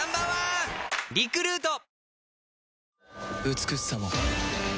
美しさも